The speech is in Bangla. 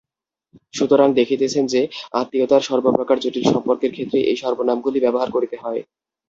সুতরাং দেখিতেছেন যে, আত্মীয়তার সর্বপ্রকার জটিল সম্পর্কের ক্ষেত্রে এই সর্বনামগুলি ব্যবহার করিতে হয়।